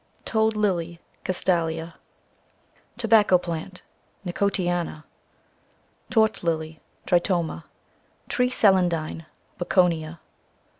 Toad Lily, cc Cast alia. Tobacco Plant, cc Nicotiana. Torch Lily, cc Tritoma. Tree Celandine, cc Bocconia.